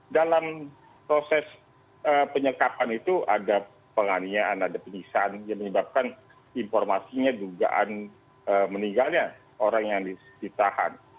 dalam proses penyelengkapan itu ada penganiayaan ada penyisaan yang menyebabkan informasinya juga meninggalnya orang yang ditahan